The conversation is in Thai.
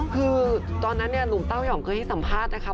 คือตอนนั้นเนี่ยหนุ่มเต้ายองเคยให้สัมภาษณ์นะคะ